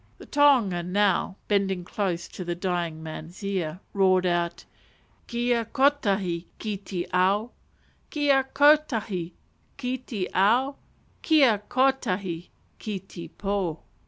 The tohunga now, bending close to the dying man's ear, roared out, "_Kia kotahi ki te ao! Kia kotahi ki te ao! Kia kotahi ki te po!